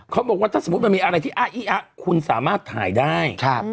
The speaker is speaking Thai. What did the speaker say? เขาบอกว่าถ้าสมมุติมันมีอะไรที่อ้าอี้อะคุณสามารถถ่ายได้